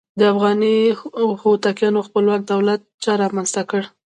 د افغاني هوتکیانو خپلواک دولت چا رامنځته کړ؟